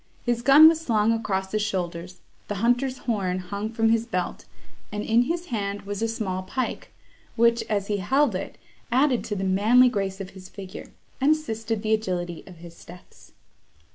His gun was slung across his shoulders, the hunter's horn hung from his belt, and in his hand was a small pike, which, as he held it, added to the manly grace of his figure, and assisted the agility of his steps.